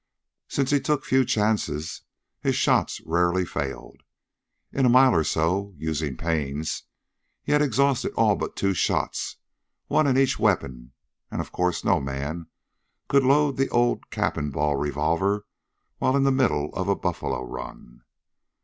Since he took few chances, his shot rarely failed. In a mile or so, using pains, he had exhausted all but two shots, one in each weapon, and of course no man could load the old cap and ball revolver while in the middle of a buffalo run.